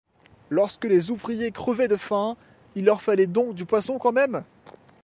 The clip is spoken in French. Lorsque les ouvriers crevaient de faim, il leur fallait donc du poisson quand même?